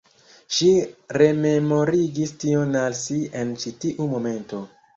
Ŝi rememorigis tion al si en ĉi tiu momento.